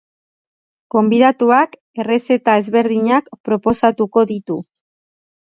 Gonbidatuak errezeta ezberdinak proposatuko ditu.